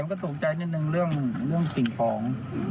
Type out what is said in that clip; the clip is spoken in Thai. ก็ตกใจนิดนึงเรื่องสิ่งของ